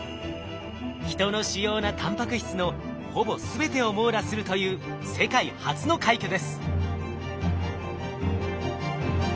人の主要なタンパク質のほぼ全てを網羅するという世界初の快挙です。